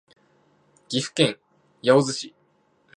岐阜県八百津町